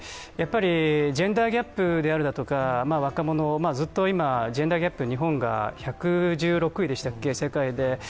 ジェンダーギャップであるとか、若者ずっと今、ジェンダーギャップ日本が１１６位でしたっけ、世界で。